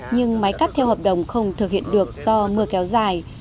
nhưng máy cắt theo hợp đồng không thực hiện được do mưa kéo dài